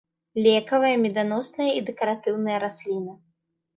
Лекавая, меданосная і дэкаратыўная расліна.